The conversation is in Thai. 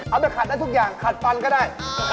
ไปขัดได้ทุกอย่างขัดฟันก็ได้